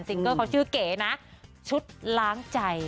ซิงเกิ้ลของชื่อเก๋นะชุดล้างใจ